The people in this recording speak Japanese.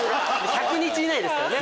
１００日以内ですからね。